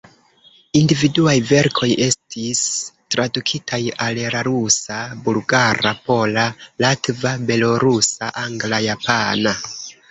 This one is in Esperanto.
Individuaj verkoj estis tradukitaj al la rusa, bulgara, pola, latva, belorusa, angla, japana.